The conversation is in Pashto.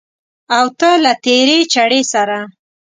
او ته له تېرې چړې سره